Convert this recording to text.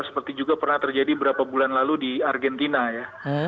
seperti juga pernah terjadi beberapa bulan lalu di argentina ya